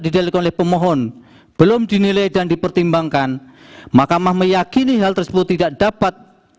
dipermohon belum dinilai dan dipertimbangkan makamah meyakini hal tersebut tidak dapat